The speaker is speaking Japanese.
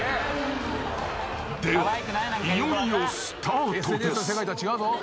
［ではいよいよスタートです］